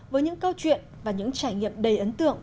với những câu chuyện và những trải nghiệm đầy ấn tượng